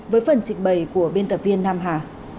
với phần trình bày của biên tập viên nam hà